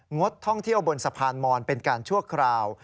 งดท่องเที่ยวบนสะพานมอนเป็นการชั่วคราว